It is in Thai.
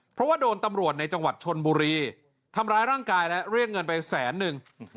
เพราะว่าโดนตำรวจในจังหวัดชนบุรีทำร้ายร่างกายและเรียกเงินไปแสนนึง